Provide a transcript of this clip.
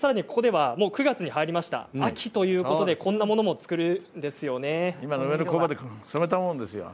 ９月に入りました秋ということでこんなものも作るんですよね。